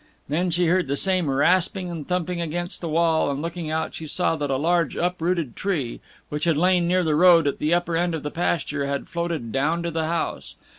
Then she heard the same rasping and thumping against the wall, and, looking out, saw that a large uprooted tree, which had lain near the road at the upper end of the pasture, had floated down to the house.